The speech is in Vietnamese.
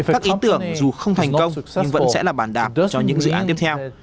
các ý tưởng dù không thành công nhưng vẫn sẽ là bàn đạp cho những dự án tiếp theo